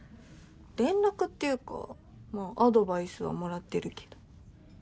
連絡っていうかまあアドバイスはもらってるけど。